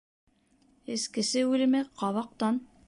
Эскесе үлеме ҡабаҡтан.